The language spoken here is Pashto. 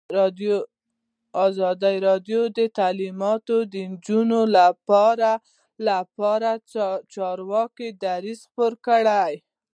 ازادي راډیو د تعلیمات د نجونو لپاره لپاره د چارواکو دریځ خپور کړی.